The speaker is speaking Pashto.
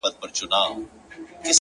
• لکه باغوان چي پر باغ ټک وهي لاسونه,